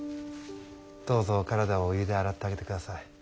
どうぞお体をお湯で洗ってあげてください。